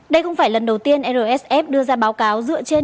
đây không phải lần đầu tiên rsf đưa ra báo cáo dựa trên